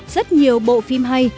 rất nhiều bộ phim hay